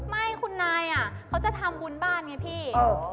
แล้วคุณมาที่ร้านคุณจะซื้ออะไร